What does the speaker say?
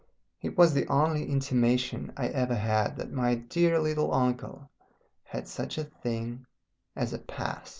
It was the only intimation I ever had that my dear little uncle had such a thing as a Past.